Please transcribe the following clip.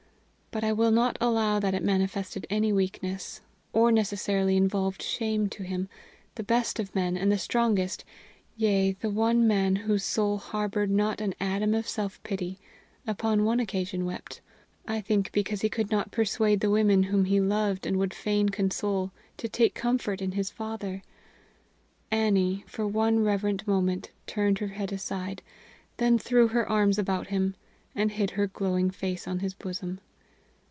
But I will not allow that it manifested any weakness, or necessarily involved shame to him; the best of men, and the strongest yea, the one Man whose soul harbored not an atom of self pity upon one occasion wept, I think because he could not persuade the women whom he loved and would fain console to take comfort in his Father. Annie, for one reverent moment, turned her head aside, then threw her arms about him, and hid her glowing face in his bosom.